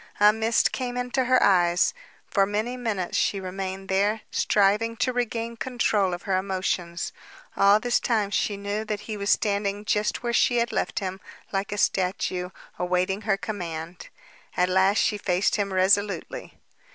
A mist came into her eyes. For many minutes she remained there, striving to regain control of her emotions. All this time she knew that he was standing just where she had left him, like a statue, awaiting her command. At last she faced him resolutely.